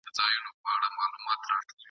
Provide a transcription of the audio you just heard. ستا به په شپو کي زنګېدلی یمه ..